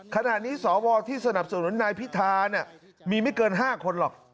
ขณะนี้สวที่สนับสนุนนายพิธามีไม่เกิน๕คนหรอก